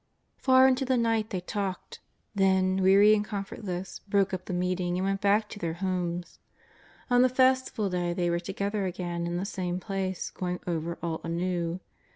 '*^ Far into the night they talked ; then, weary and com? fortless, broke up the meeting and went back to their homes. On the festival day they were together again in the same place, going over all anew.